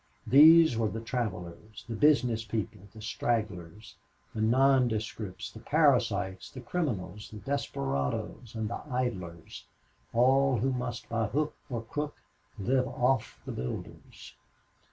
These were the travelers, the business people, the stragglers, the nondescripts, the parasites, the criminals, the desperadoes, and the idlers all who must by hook or crook live off the builders.